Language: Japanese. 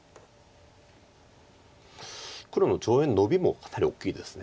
黒の上辺ノビもかなり大きいです。